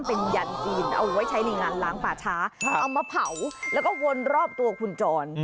เป็นยันจีนเอาไว้ใช้ในงานล้างป่าช้าเอามาเผาแล้วก็วนรอบตัวคุณจร